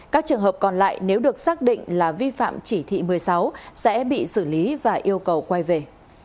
các trường hợp còn lại nếu được xác định là vi phạm chỉ thị một mươi sáu sẽ bị xử lý và yêu cầu quay về